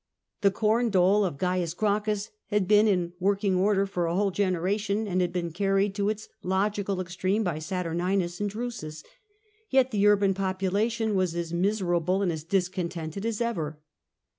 The corn dole of Cains Gracchus had been in working order for a whole generation, and had been carried to its logical extreme by Saturninus and Drusus ; yet the urban popula tion was as miserable and as discontented as ever.